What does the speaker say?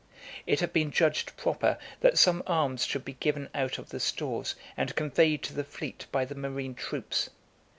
It had been judged proper that some arms should be given out of the stores, and conveyed to the fleet by the marine troops.